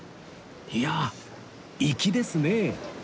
いや粋ですね！